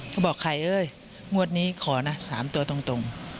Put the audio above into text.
ก็บอกใครเอ้ยงวดนี้ขอนะ๓ตัวตรง